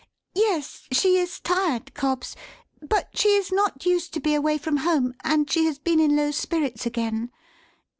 "Yes, she is tired, Cobbs; but she is not used to be away from home, and she has been in low spirits again.